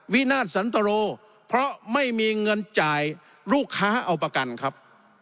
วินาทสันตรโรเพราะไม่มีเงินจ่ายลูกค้าเอาประกันครับ